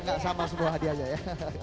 nggak sama semua hadiahnya ya